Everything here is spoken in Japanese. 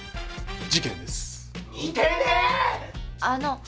あの。